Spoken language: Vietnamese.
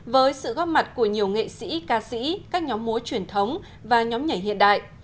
với sự góp mặt của nhiều nghệ sĩ ca sĩ các nhóm múa truyền thống và nhóm nhảy hiện đại